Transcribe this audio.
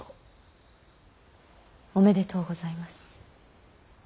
おめでとうございます。